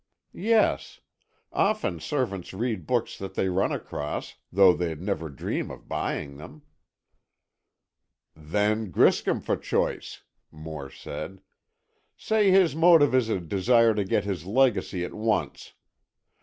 "Yes, often servants read books that they run across, though they'd never dream of buying them." "Then Griscom for choice," Moore said. "Say his motive is a desire to get his legacy at once.